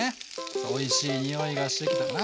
おいしいにおいがしてきたかな。